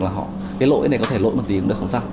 cái lỗi này có thể lỗi một tí cũng được không sao